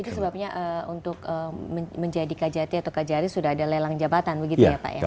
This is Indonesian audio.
itu sebabnya untuk menjadi kajati atau kajari sudah ada lelang jabatan begitu ya pak ya